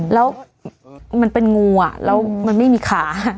แล้วมันเป็นงูอ่ะแล้วมันไม่มีขา